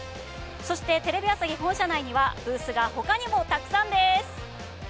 そして、テレビ朝日本社内にはブースがほかにもたくさんです！